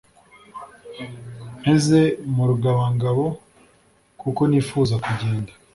mpeze mu rungabangabo kuko nifuza kugenda